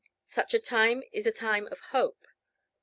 Such a time is a time of hope.